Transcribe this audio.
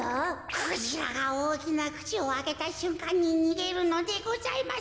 クジラがおおきなくちをあけたしゅんかんににげるのでございます。